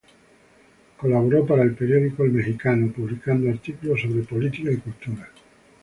Colaboró para el periódico "El Mexicano" publicando artículos sobre política y cultura.